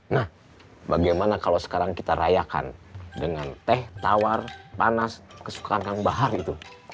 nah bagaimana kalau sekarang kita rayakan dengan teh tawar panas kesukaan kang bahar itu